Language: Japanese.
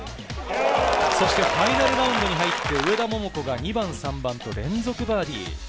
そしてファイナルラウンドに入って上田桃子が２番、３番と連続バーディー。